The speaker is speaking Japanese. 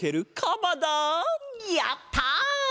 やった！